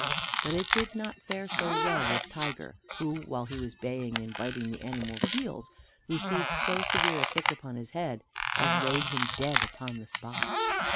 But it did not fare so well with Tiger, who while he was baying and biting the animal's heels receive so severe a kick upon his head as laid him dead upon the spot.